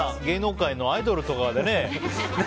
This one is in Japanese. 芸能界のアイドルとかでね。